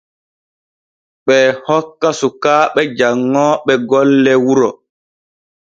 Ɓee hokka sukaaɓe janŋooɓe golle wuro.